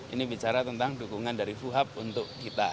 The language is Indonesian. ini bicara tentang dukungan dari fuhab untuk kita